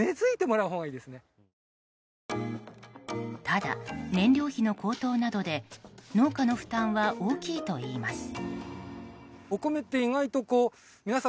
ただ、燃料費の高騰などで農家の負担は大きいといいます。